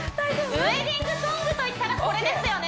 ウエディングソングといったらこれですよね